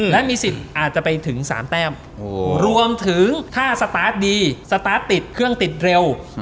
และมีสิทธิ์อาจจะไปถึง๓แต้มรวมถึงถ้าสตาร์ทดีสตาร์ทติดเครื่องติดเร็ว